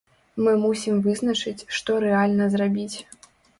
Мы мусім вызначыць, што рэальна зрабіць.